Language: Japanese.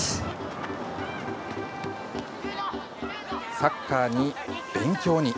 サッカーに、勉強に。